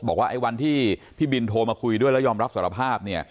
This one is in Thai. บอกว่าไอ้วันที่พี่บินโทรมาคุยด้วยแล้วยอมรับสารภาพเนี่ย